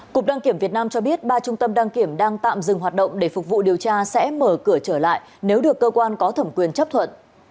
cục đăng kiểm việt nam cho biết ba trung tâm đăng kiểm đang tạm dừng hoạt động để phục vụ điều tra sẽ mở cửa trở lại nếu được cơ quan có thẩm quyền chấp thuận